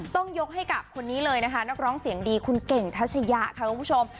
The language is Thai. ต้องยกให้กับคนนี้เลยนะคะนักร้องเสียงดีคุณเก่งทัชยะค่ะคุณผู้ชม